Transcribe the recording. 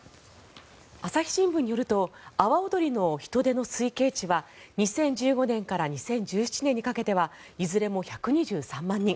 朝日新聞によると阿波おどりの人出の推計値は２０１５年から２０１７年にかけてはいずれも１２３万人。